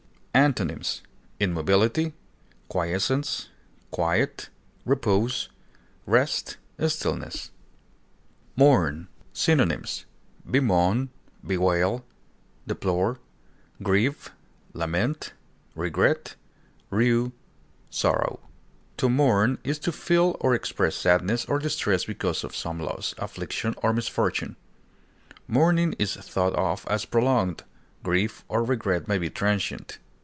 Antonyms: immobility, quiescence, quiet, repose, rest, stillness. MOURN. Synonyms: bemoan, deplore, lament, regret, rue, sorrow. bewail, grieve, To mourn is to feel or express sadness or distress because of some loss, affliction, or misfortune; mourning is thought of as prolonged, grief or regret may be transient.